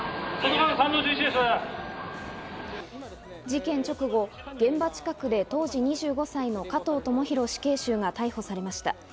事件直後、現場近くで当時２５歳の加藤智大死刑囚が逮捕されました。